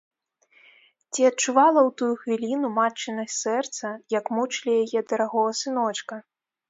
Ці адчувала ў тую хвіліну матчына сэрца, як мучылі яе дарагога сыночка?